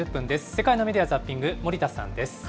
世界のメディア・ザッピング、森田さんです。